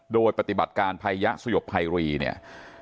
โดยปฏิบัติการภัยยะสยบภัยรีเนี่ย